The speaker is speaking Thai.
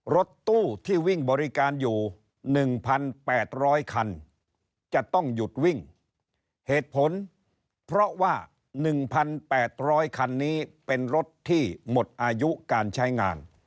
รถตู้ที่วิ่งบริการอยู่๑๘๐๐คันจะต้องหยุดวิ่งเหตุผลเพราะว่า๑๘๐๐คันนี้เป็นรถที่หมดอายุการใช้งาน